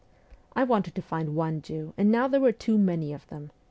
I wanted to find one Jew ; and now there were too many of them.